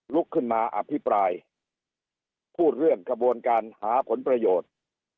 ลุกขึ้นมาอภิปรายพูดเรื่องกระบวนการหาผลประโยชน์